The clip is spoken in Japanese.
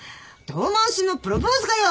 遠回しのプロポーズかよ。